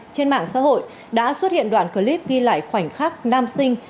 trên mạng xã hội đã xuất hiện đoạn clip ghi lại khoảnh khắc nam sinh